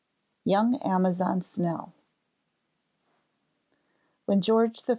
_ YOUNG AMAZON SNELL When George I.